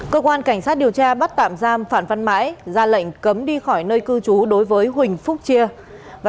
cơ quan cảnh sát điều tra bắt tạm giam phạm văn mãi ra lệnh cấm đi khỏi nơi cư trú đối với huỳnh phúc chia